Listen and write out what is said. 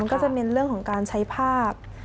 ก็จะเน้นเรื่องของการใช้ภาพ